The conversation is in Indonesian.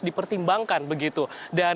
dipertimbangkan begitu dan